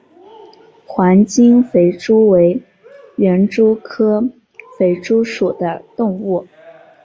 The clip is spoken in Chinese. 黄金肥蛛为园蛛科肥蛛属的动物。